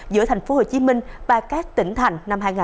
giữa tp hcm và các tỉnh thành năm hai nghìn hai mươi